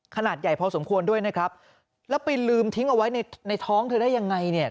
ขนาดใหญ่พอสมควรด้วยนะครับแล้วไปลืมทิ้งเอาไว้ในในท้องเธอได้ยังไงเนี่ย